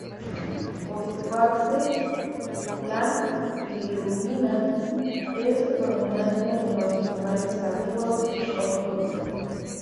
Por su parte la bilirrubina es predominante en los animales carnívoros y omnívoros.